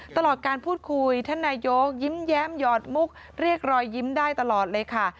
ตลอดการพูดคุยท่านนายกยิ้มแย้มหยอดมุกเรียกรอยยิ้มได้ตลอดเลยค่ะ